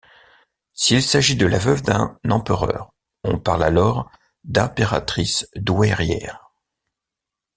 S'il s'agit de la veuve d'un empereur, on parle alors d'impératrice douairière.